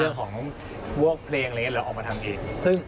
เรื่องของพวกเพลงอะไรอย่างนี้หรือออกมาทำเอง